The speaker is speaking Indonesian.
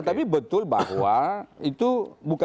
tapi betul bahwa itu bukan sebuah reformasi